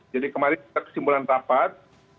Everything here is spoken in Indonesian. jadi kemarin kesimpulan rapat